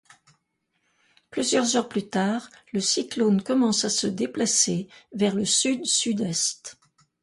Plusieurs heures plus tard, le cyclone commence à se déplacer vers le sud-sud-est.